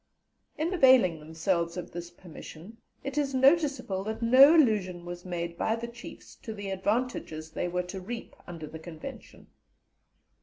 In availing themselves of this permission, it is noticeable that no allusion was made by the Chiefs to the advantages they were to reap under the Convention.